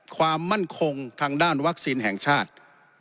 ความมั่นคงทางด้านวัคซีนแห่งชาติ